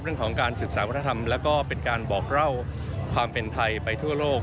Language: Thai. เรื่องของการศึกษาวัฒนธรรมแล้วก็เป็นการบอกเล่าความเป็นไทยไปทั่วโลก